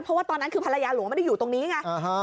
เพราะว่าตอนนั้นคือภรรยาหลวงไม่ได้อยู่ตรงนี้ไง